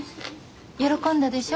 喜んだでしょ？